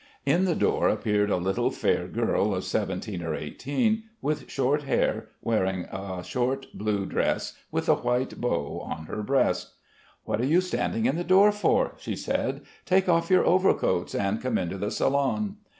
In the door appeared a little fair girl of seventeen or eighteen, with short hair, wearing a short blue dress with a white bow on her breast. "What are you standing in the door for?" she said. "Take off your overcoats and come into the salon."